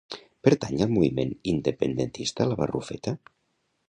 Pertany al moviment independentista la Barrufeta?